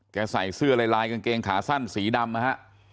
ใส่เสื้อลายลายกางเกงขาสั้นสีดำนะฮะ